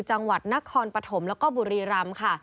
จังหวัดนครปฐมแล้วก็บุรีรำค่ะ